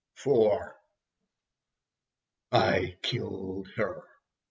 IV I killed her.